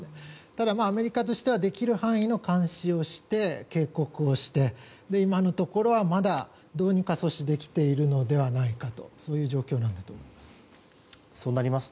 ただ、アメリカとしてはできる範囲の監視をして警告をして今のところは、どうにか阻止できているのではないかとそういう状況なんだと思います。